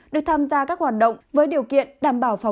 được tham gia các hoạt động với điều kiện đảm bảo phòng